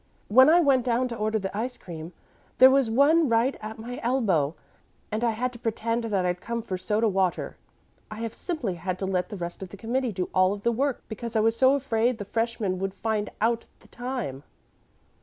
When I went down to order the ice cream, there was one right at my elbow, and I had to pretend that I'd come for soda water. I have simply had to let the rest of the committee do all of the work, because I was so afraid the freshmen would find out the time.